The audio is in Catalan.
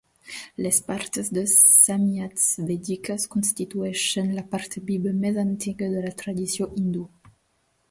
Les parts de "Samhitas Vèdiques" constitueixen la part viva més antiga de la tradició hindú.